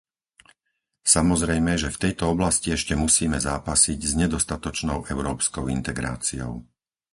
Samozrejme, že v tejto oblasti ešte musíme zápasiť s nedostatočnou európskou integráciou.